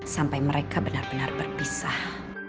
sampai mereka benar benar berpisah